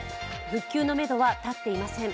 復旧のめどは立っていません。